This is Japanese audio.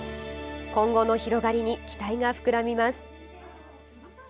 今後の広がりに期待が膨らみます。